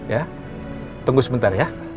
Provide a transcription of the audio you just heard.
ya tunggu sebentar ya